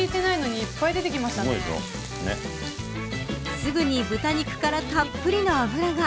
すぐに豚肉からたっぷりの脂が。